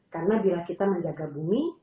karena bila kita menjaga bumi